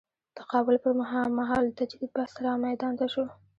تقابل پر مهال تجدید بحث رامیدان ته شو.